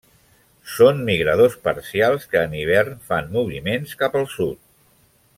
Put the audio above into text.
Són migradors parcials que en hivern fan moviments cap al sud.